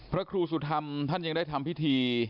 พระครูสุธรรมท่านยังได้ทำพิธี